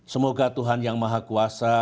semoga tuhan yang maha kuasa